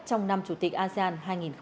trong năm chủ tịch asean hai nghìn hai mươi